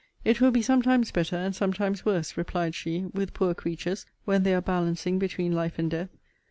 It will be sometimes better, and sometimes worse, replied she, with poor creatures, when they are balancing between life and death.